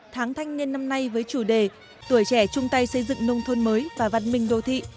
tháng thanh niên năm nay với chủ đề tuổi trẻ chung tay xây dựng nông thôn mới và văn minh đô thị